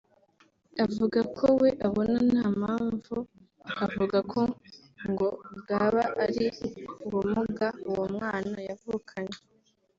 avuga ko we abona nta mpamvu akavuga ko ngo bwaba ari ubumuga uwo mwana yavukanye